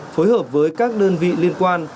phối hợp với các đơn vị liên quan